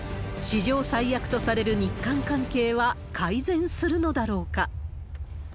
史上最悪とされる日韓関係は改善するのだろうか。